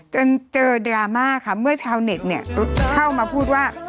จนเจอดราม่าค่ะเมื่อชาวเน็ตเนี่ยเข้ามาพูดว่า